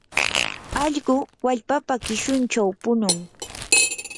allqu wallpapa qishunchaw punun.